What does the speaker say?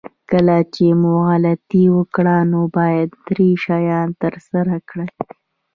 کله چې مو غلطي وکړه نو باید درې شیان ترسره کړئ.